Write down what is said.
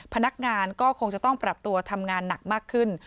พนักงานก็คงจะต้องปรับตัวทำงานหนักมากขึ้น